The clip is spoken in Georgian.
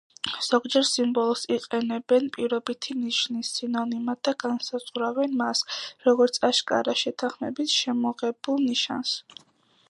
ზოგჯერ სიმბოლოს იყენებენ „პირობითი ნიშნის“ სინონიმად და განსაზღვრავენ მას, როგორც აშკარა შეთანხმებით შემოღებულ ნიშანს.